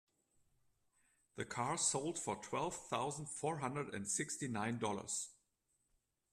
The car sold for twelve thousand four hundred and sixty nine dollars.